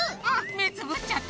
目つぶっちゃった！